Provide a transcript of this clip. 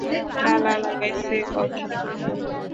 তালা লাগাইসে কখন?